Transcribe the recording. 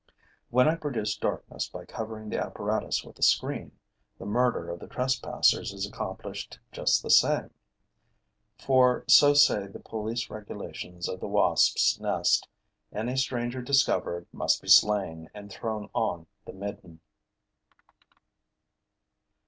When I produce darkness by covering the apparatus with a screen, the murder of the trespassers is accomplished just the same. For so say the police regulations of the wasps' nest: any stranger discovered must be slain and thrown on the midden.